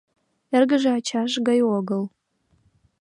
Эргыже ачаж гай огыл.